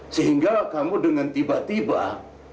sehingga kamu dengan tiba tiba